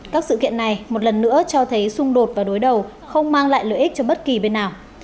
các sự kiện này một lần nữa cho thấy xung đột và đối đầu không mang lại lợi ích cho bất kỳ bên nào